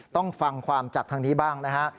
ต้องฟังความจากทางนี้บ้างนะฮะ